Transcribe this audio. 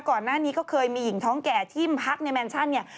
ก่อนหน้านี้ก็เคยมีหญิงท้องแก่ที่พักในแมนชั่นเนี่ย